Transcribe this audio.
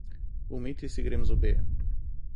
Umiti si grem zobe.